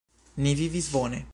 Ni vivis bone.